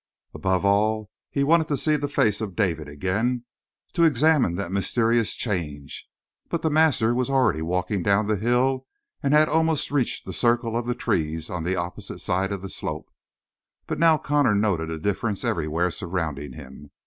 Above all, he wanted to see the face of David again, to examine that mysterious change, but the master was already walking down the hill and had almost reached the circle of the trees on the opposite side of the slope. But now Connor noted a difference everywhere surrounding him.